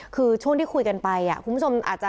คือช่วงที่คุยกันไปคุณผู้ชมอาจจะ